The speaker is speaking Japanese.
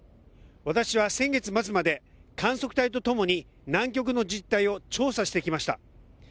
私は先月末まで観測隊と共に南極の実態を調査してきました。